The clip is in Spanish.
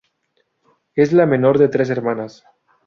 Es la menor de tres hermanas.